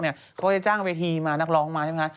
เขาจะจ้างเวทีมานักร้องมาใช่ไหมคะ